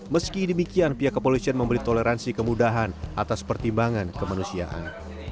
meski demikian pihak kepolisian memberi toleransi kemudahan atas pertimbangan kemanusiaan